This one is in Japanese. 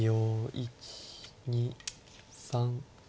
１２３。